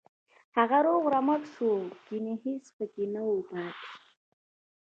هغه روغ رمټ شو کنه هېڅ پکې نه وو پاتې.